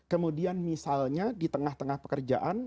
kemudian misalnya di tengah tengah pekerjaan